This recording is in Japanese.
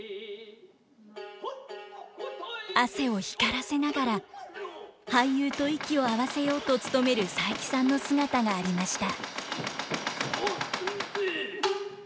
汗を光らせながら俳優と息を合わせようと努める佐伯さんの姿がありました。